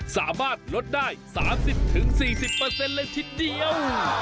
สามารถลดได้๓๐๔๐เลยทีเดียว